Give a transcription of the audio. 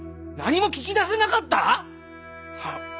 何も聞き出せなかった⁉はっ。